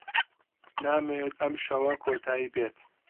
نامەوێت ئەم شەوە کۆتایی بێت.